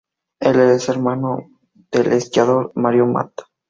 Es hermano del esquiador Mario Matt.